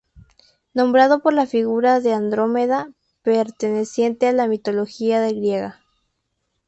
Nombrado por la figura de Andrómeda, perteneciente a la Mitología griega.